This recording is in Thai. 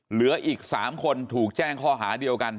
เหลืออีก๓คนถูกแจ้งข้อหาเดียวกัน